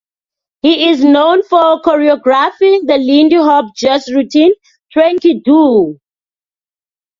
He is known for choreographing the Lindy Hop jazz routine Tranky Doo.